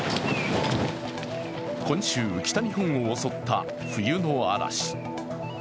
今週、北日本を襲った冬の嵐。